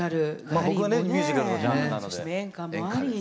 まあ僕はねミュージカルのジャンルなので。